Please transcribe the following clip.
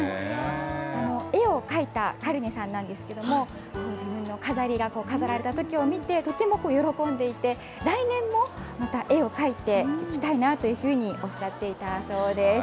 絵を描いたカリネさんなんですけれども、自分の飾りが飾られたときを見て、とても喜んでいて、来年もまた絵を描いていきたいなというふうにおっしゃっていたそうです。